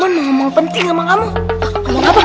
rantre yang panjang lagi aku harus kejar nih